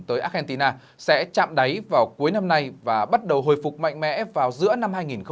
tới argentina sẽ chạm đáy vào cuối năm nay và bắt đầu hồi phục mạnh mẽ vào giữa năm hai nghìn một mươi chín